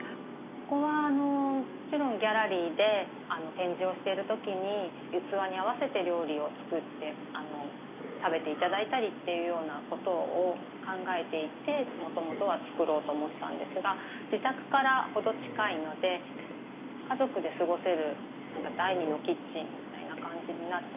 ここはもちろんギャラリーで展示をしてる時に器に合わせて料理を作って食べて頂いたりっていうようなことを考えていてもともとは作ろうと思ったんですが自宅から程近いのでと思って作りました。